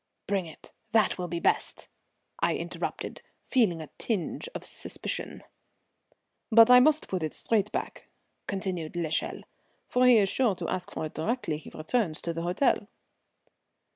"Bring it; that will be best," I interrupted, feeling a tinge of suspicion. "But I must put it straight back," continued l'Echelle, "for he is sure to ask for it directly he returns to the hotel."